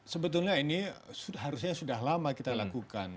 sebetulnya ini harusnya sudah lama kita lakukan